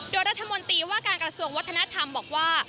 โดยรัฐมนตรีว่าการกระทรวงวัฒนธรรมบอกว่า